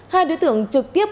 hai đối tượng trực tiếp